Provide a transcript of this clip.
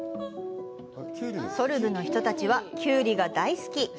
ソルブの人たちはキュウリが大好き。